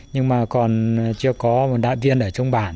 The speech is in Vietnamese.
nhưng mà còn chưa có một đạp viên ở trong bản